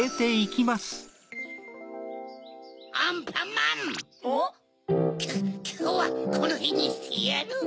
きょうはこのへんにしてやる。